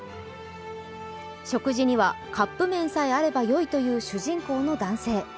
食事にはカップ麺さえあればいいという主人公の男性。